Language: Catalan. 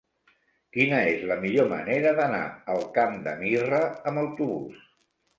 Quina és la millor manera d'anar al Camp de Mirra amb autobús?